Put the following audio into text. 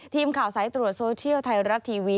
ทีมข่าวสายตรวจโซเชียลไทยรัฐทีวี